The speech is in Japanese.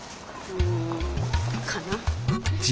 うんかな？